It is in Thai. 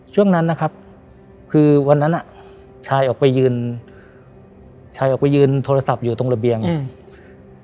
ช่วงนั้นนะครับคือวันนั้นอ่ะชายออกไปยืนชายออกไปยืนโทรศัพท์อยู่ตรงระเบียงอืม